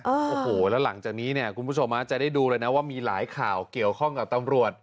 โอ้โหแล้วหลังจากนี้เนี่ยคุณผู้ชมจะได้ดูเลยนะว่ามีหลายข่าวเกี่ยวข้องกับตำรวจ